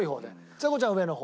ちさ子ちゃんは上の方。